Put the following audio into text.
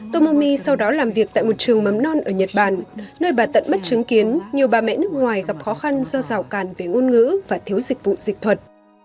tomomi sau đó làm việc tại một trường mầm non ở nhật bản nơi bà tận mất chứng kiến nhiều bà mẹ nước ngoài gặp khó khăn do rào càn về ngôn ngữ và thiếu dịch vụ dịch thuật